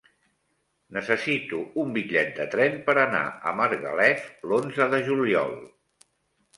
Necessito un bitllet de tren per anar a Margalef l'onze de juliol.